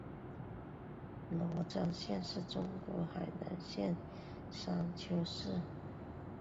罗庄乡是中国河南省商丘市夏邑县下辖的一个乡。